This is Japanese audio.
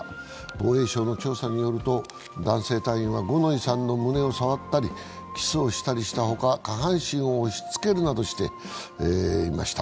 防衛省の調査によると、男性隊員は五ノ井さんの胸を触ったりキスをしたりしたほか、下半身を押しつけるなどしていました。